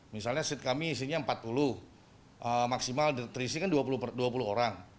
misalnya seat kami isinya empat puluh maksimal terisi kan dua puluh orang